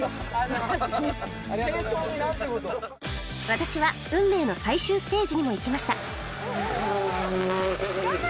私は運命の最終ステージにも行きました